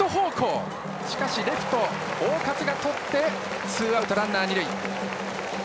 レフト、大勝がとってツーアウトランナー、二塁。